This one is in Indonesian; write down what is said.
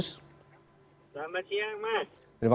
selamat siang mas